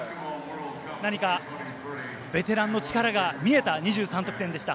何かベテランの力が見えた２３得点でした。